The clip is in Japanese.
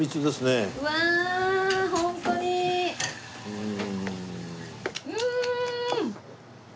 うん！